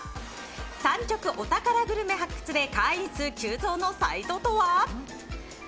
産直お宝グルメ発掘で会員数急増のサイトとは。